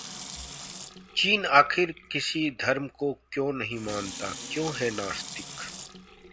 चीन आखिर किसी धर्म को क्यों नहीं मानता, क्यों है नास्तिक?